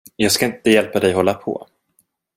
Jag ska inte hjälpa dig hålla på.